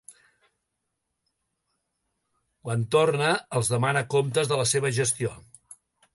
Quan torna, els demana comptes de la seva gestió.